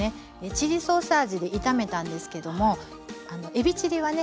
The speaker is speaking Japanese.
チリソース味で炒めたんですけどもえびチリはね